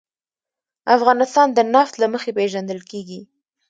افغانستان د نفت له مخې پېژندل کېږي.